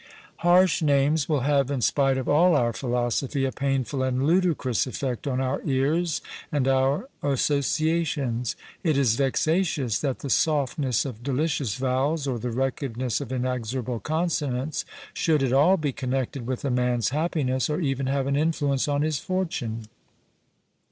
Harsh names will have, in spite of all our philosophy, a painful and ludicrous effect on our ears and our associations: it is vexatious that the softness of delicious vowels, or the ruggedness of inexorable consonants, should at all be connected with a man's happiness, or even have an influence on his fortune.